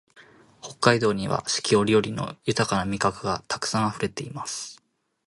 北海道には四季折々の豊な味覚がたくさんあふれています